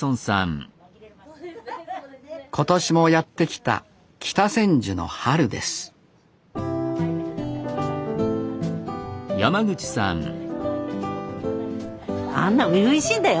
今年もやって来た北千住の春ですあんな初々しいんだよ。